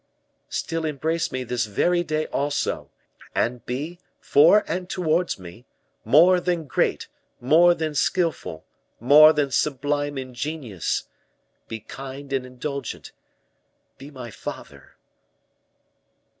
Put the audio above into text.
"Still embrace me this very day also, and be, for and towards me, more than great, more than skillful, more than sublime in genius; be kind and indulgent be my father!"